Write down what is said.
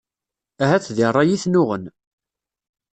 Ahat deg rray i ten-uɣen.